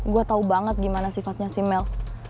gue tau banget gimana sifatnya si melk